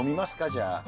じゃあ。